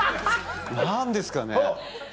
何ですかね？